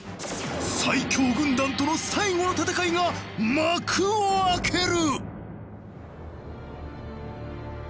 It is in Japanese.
最強軍団との最後の戦いが幕を開ける！